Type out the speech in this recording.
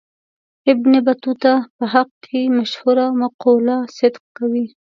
ابن بطوطه په حق کې مشهوره مقوله صدق کوي.